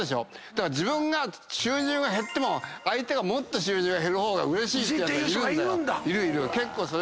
だから自分が収入が減っても相手がもっと収入が減る方がうれしいってやつがいるんだよ。